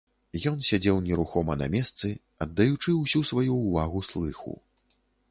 Ён сядзеў нерухома на месцы, аддаючы ўсю сваю ўвагу слыху.